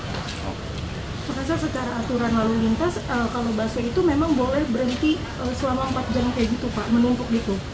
pak raza secara aturan lalu lintas kalau bas k itu memang boleh berhenti selama empat jam kayak gitu pak menungkuk itu